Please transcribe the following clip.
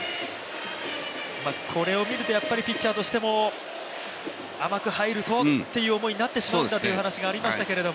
これを見ると、ピッチャーとしても甘く入るとという思いになってしまうんだという話ありましたけど。